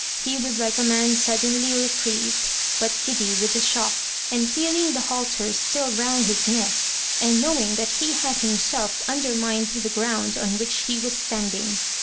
He was like a man suddenly reprieved, but giddy with the shock, and feeling the halter still round his neck, and knowing that he had himself under mined the ground on which be was standing.